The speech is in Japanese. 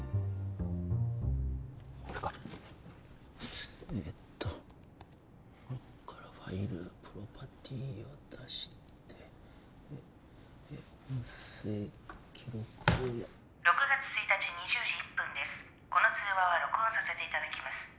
俺かえーっとこっからファイルプロパティーを出してで音声「６月１日２０時１分ですこの通話は録音させていただきます」